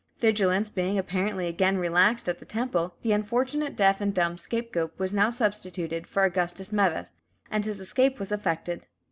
Vigilance being, apparently, again relaxed at the Temple, the unfortunate deaf and dumb scapegoat was now substituted for Augustus Meves, and his escape was effected.